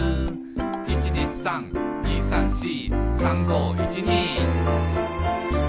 「１２３２３４」「３５１２」